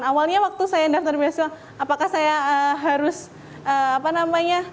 awalnya waktu saya daftar besok apakah saya harus apa namanya